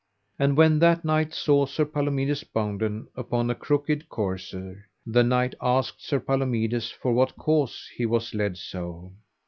And when that knight saw Sir Palomides bounden upon a crooked courser, the knight asked Sir Palomides for what cause he was led so.